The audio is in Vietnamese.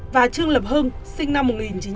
và trương lập hưng sinh năm một nghìn chín trăm tám mươi